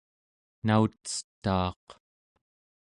naucetaaq